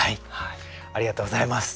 ありがとうございます。